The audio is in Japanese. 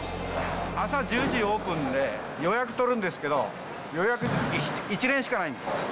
朝１０時オープンで予約取るんですけど、予約、１レーンしかないんです。